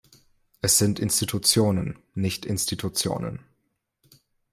Es sind Institutionen, nicht Institutionen.